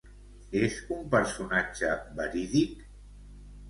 És un personatge verídic?